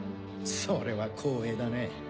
それは光栄だね。